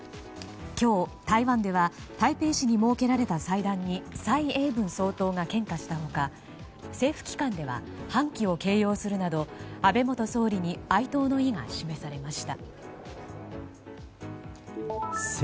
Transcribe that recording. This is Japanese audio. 今日、台湾では台北市に設けられた祭壇に蔡英文総統が献花した他政府機関では半旗を掲揚するなど安倍元総理に哀悼の意が示されました。